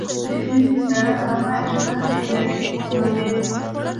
د ژمي سړه هوا انسان ته انرژي کموي.